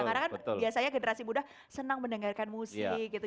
karena kan biasanya generasi muda senang mendengarkan musik gitu